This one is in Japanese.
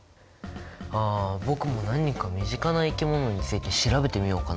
あ僕も何か身近な生き物について調べてみようかな？